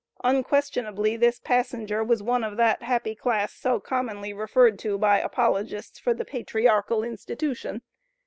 Unquestionably this passenger was one of that happy class so commonly referred to by apologists for the "Patriarchal Institution."